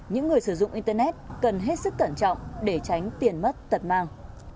những người sử dụng internet cần hết sức cẩn trọng để tránh tiền mất tật mang